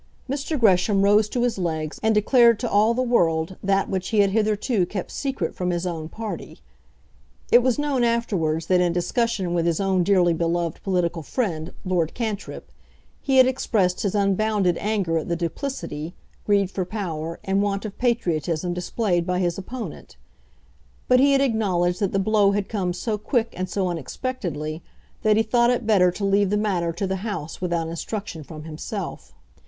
Mr. Gresham rose to his legs, and declared to all the world that which he had hitherto kept secret from his own party. It was known afterwards that in discussion with his own dearly beloved political friend, Lord Cantrip, he had expressed his unbounded anger at the duplicity, greed for power, and want of patriotism displayed by his opponent; but he had acknowledged that the blow had come so quick and so unexpectedly that he thought it better to leave the matter to the House without instruction from himself.